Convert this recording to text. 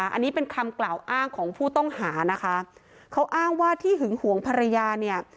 อันนี้เป็นคำกล่าวอ้างของผู้ต้องหานะคะเขาอ้างว่าที่หึงหวงภรรยาเนี่ย